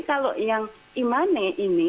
kalau yang e money ini